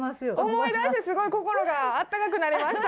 思い出してすごい心があったかくなりました